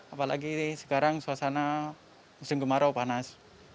apalagi sekarang suasana musim kemarau panas